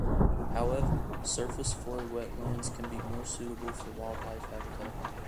However, surface flow wetlands can be more suitable for wildlife habitat.